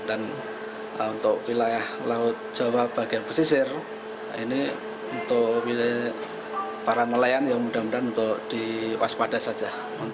dan untuk wilayah laut jawa bagian pesisir ini untuk para nelayan yang mudah mudahan untuk diwaspada saja